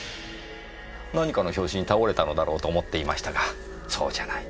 何かの拍子に倒れたのだろうと思っていましたがそうじゃない。